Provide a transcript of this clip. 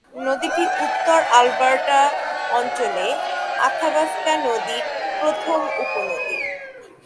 নদীটি উত্তর আলবার্টা অঞ্চলে আথাবাস্কা নদীর প্রথম উপনদী।